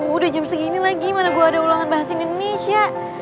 udah jam segini lagi malah gue ada ulangan bahasa indonesia